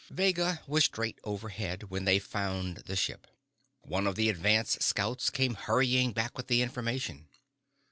Vega was straight overhead when they found the ship. One of the advance scouts came hurrying back with the information.